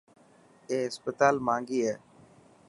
اي هسپتال ماهنگي هي.